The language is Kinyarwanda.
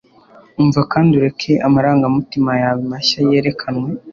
umva kandi ureke amarangamutima yawe mashya yerekanwe